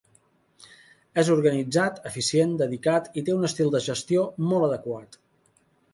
És organitzat, eficient, dedicat i té un estil de gestió molt adequat.